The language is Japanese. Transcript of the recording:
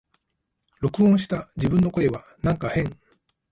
録音した自分の声はなんか変